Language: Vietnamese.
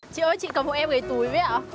chị ơi chị cầm một em gầy túi với ạ